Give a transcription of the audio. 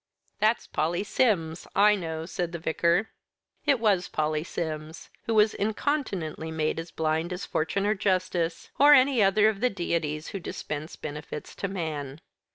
"That's Polly Sims, I know," said the Vicar. It was Polly Sims, who was incontinently made as blind as Fortune or Justice, or any other of the deities who dispense benefits to man.